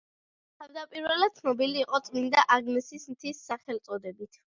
თავდაპირველად ცნობილი იყო „წმინდა აგნესის მთის“ სახელწოდებით.